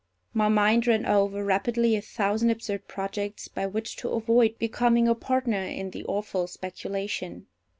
My mind ran over rapidly a thousand absurd projects by which to avoid becoming a partner in the awful speculation.